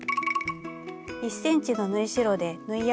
１ｃｍの縫い代で縫い合わせていきます。